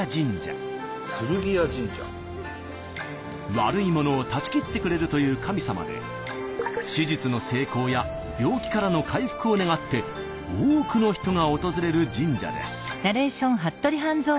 悪いものを断ち切ってくれるという神様で手術の成功や病気からの回復を願って多くの人が訪れる神社です。